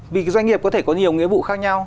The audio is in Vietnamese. vì cái doanh nghiệp có thể có nhiều nghĩa vụ khác nhau